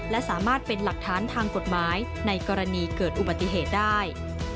และสามารถเป็นหลักฐานทางกฎหมายในกรณีเกิดอุบัติเหตุได้